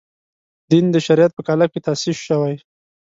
دین د شریعت په قالب کې تاسیس شوی.